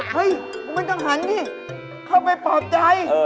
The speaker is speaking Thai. เฮ่ยมันก็ไม่ต้องหันสิเข้าไปปอบใจ